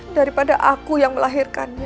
daripada aku yang melahirkannya